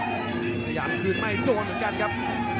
เจ้าประคุณให้โดนเหมือนกันครับ